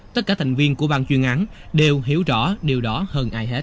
tất cả thành viên của ban chuyên án đều hiểu rõ điều đó hơn ai hết